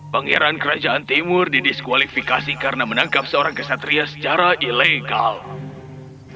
pangeran kerajaan timur didiskualifikasi karena menangkap seorang kesatria secara ilegal